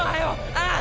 ああ！